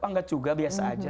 anggap juga biasa saja